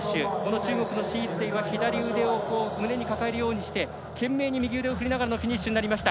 中国の史逸ていは左腕を胸に抱えるようにして懸命に右腕を振りながらのフィニッシュになりました。